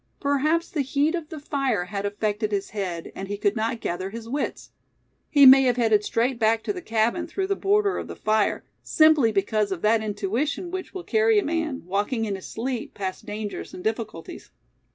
Perhaps the heat of the fire had affected his head, and he could not gather his wits. He may have headed straight back to the cabin, through the border of the fire, simply because of that intuition which will carry a man, walking in his sleep, past dangers and difficulties.